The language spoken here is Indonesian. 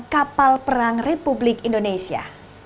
kapal perang republik indonesia